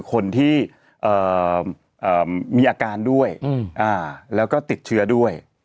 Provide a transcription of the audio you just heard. คนที่มีอาการด้วยแล้วก็ติดเชื้อด้วย